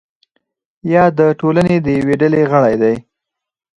یا د ټولنې د یوې ډلې غړی دی.